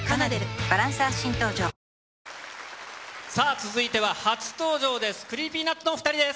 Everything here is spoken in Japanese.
続いては初登場です。